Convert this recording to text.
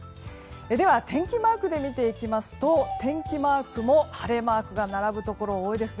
では、天気マークで見ていきますと天気マークも晴れマークが並ぶところが多いです。